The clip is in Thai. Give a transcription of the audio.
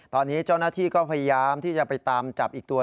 ตอนนี้เจ้าหน้าที่ก็พยายามที่จะไปตามจับอีกตัว